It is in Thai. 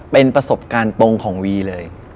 เป็นประสบการณ์ตรงของวีเลย